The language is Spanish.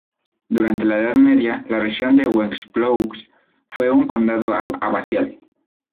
Durante la Edad Media, la región de Gembloux fue un condado abacial.